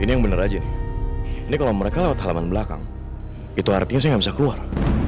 ini yang bener aja ini kalau mereka lewat halaman belakang itu artinya saya nggak bisa keluar